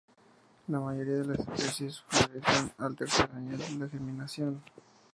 La mayoría de las especies florecen al tercer año desde la germinación.